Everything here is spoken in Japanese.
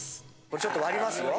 これちょっと割りますよ。